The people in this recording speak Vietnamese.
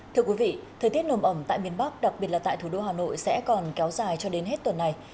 thưa quý vị thời tiết nồm ẩm tại miền bắc đặc biệt là tại thủ đô hà nội sẽ còn kéo dài cho đến hết tuần này